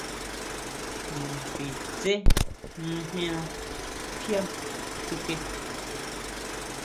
Naxitsé mejena kjuia tsuke.